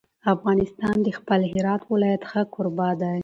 افغانستان د خپل هرات ولایت ښه کوربه دی.